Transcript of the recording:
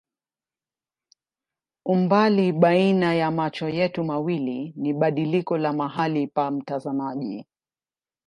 Umbali baina ya macho yetu mawili ni badiliko la mahali pa mtazamaji.